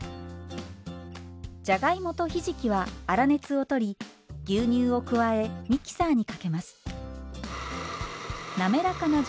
じゃがいもとひじきは粗熱をとり牛乳を加えミキサーにかけます。